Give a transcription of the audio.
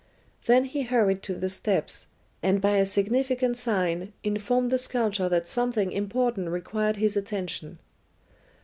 Then he hurried to the steps, and by a significant sign informed the sculptor that something important required his attention.